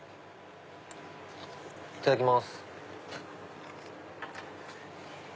いただきます。